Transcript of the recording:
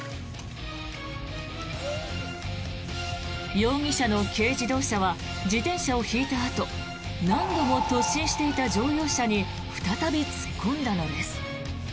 容疑者の軽自動車は自転車をひいたあと何度も突進していた乗用車に再び突っ込んだのです。